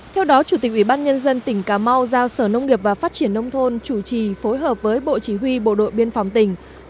theo đó chủ tịch ubnd tỉnh cà mau giao sở nông nghiệp và phát triển nông thôn chủ trì phối hợp với bộ chỉ huy bộ đội biên phòng tỉnh